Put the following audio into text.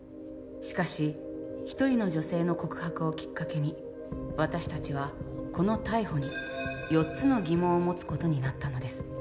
しかし１人の女性の告白をきっかけに私たちはこの逮捕に４つの疑問を持つことになったのです。